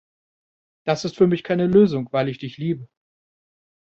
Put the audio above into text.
Das ist für mich keine Lösung, weil ich dich liebe!